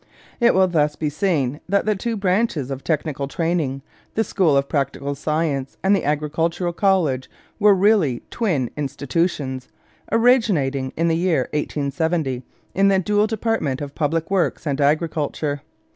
It will thus be seen that the two branches of technical training the School of Practical Science and the Agricultural College were really twin institutions, originating, in the year 1870, in the dual department of Public Works and Agriculture.